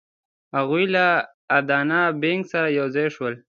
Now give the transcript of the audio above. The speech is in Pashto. هغوی له ادینه بېګ سره یو ځای شول.